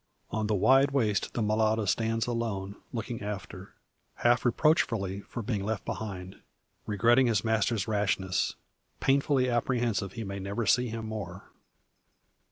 On the wide waste the mulatto stands alone, looking after half reproachfully for being left behind regretting his master's rashness painfully apprehensive he may never see him more.